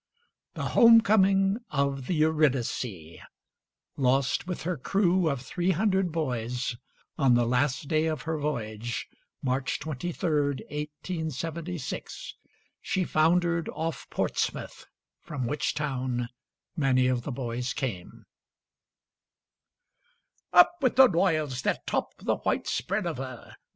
THE HOME COMING OF THE 'EURYDICE' [Lost, with her crew of three hundred boys, on the last day of her voyage, March 23, 1876. She foundered off Portsmouth, from which town many of the boys came.] Up with the royals that top the white spread of her!